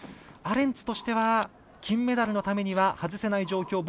アレンツとしては金メダルのためには外せない状況。